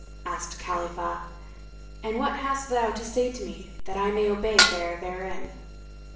Asked Khalifah, "And what hast thou to say to me that I may obey there therein?"